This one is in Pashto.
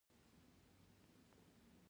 ځانګړې ورځپاڼې ته تر یو میلیون ډالرو پورې.